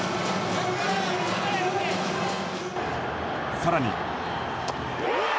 更に。